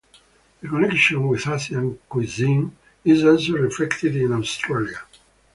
The connection with Asian cuisine is also reflected in Australia.